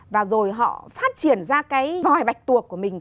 và rồi họ phát triển ra cái vòi bạch tuộc của mình